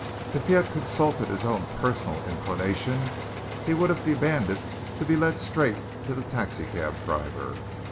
If he had consulted his own personal inclination he would have demanded to be led straight to the taxi cab driver.